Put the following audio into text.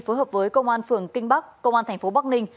phối hợp với công an phường kinh bắc công an thành phố bắc ninh